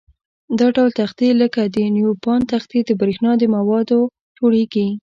دا ډول تختې لکه د نیوپان تختې د برېښنا له موادو جوړيږي.